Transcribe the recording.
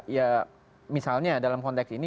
ya misalnya dalam konteks ini